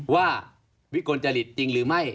วิกลจริตจริงหรือไม่